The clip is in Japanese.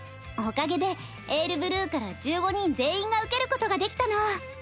おかげで「ＡｉＲＢＬＵＥ」から１５人全員が受けることができたの。